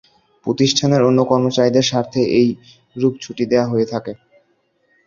প্রতিষ্ঠানের অন্য কর্মচারীদের স্বার্থে এই রূপ ছুটি দেয়া হয়ে থাকে।